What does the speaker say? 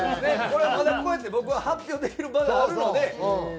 これまだこうやって僕は発表できる場があるので。